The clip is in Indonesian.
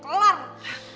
boldi kalian baik baik